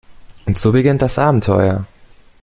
Und so beginnt das Abenteuer.